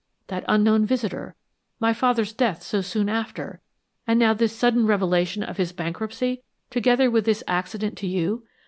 That unknown visitor, my father's death so soon after, and now this sudden revelation of his bankruptcy, together with this accident to you?